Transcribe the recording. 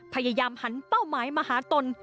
พยายามหันเป้าหมายมาหาตน